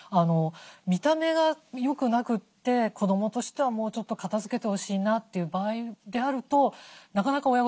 見た目が良くなくて子どもとしてはもうちょっと片づけてほしいなという場合であるとなかなか親御さんもね